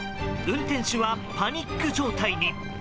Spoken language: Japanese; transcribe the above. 運転手はパニック状態に。